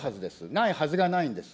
ないはずがないんです。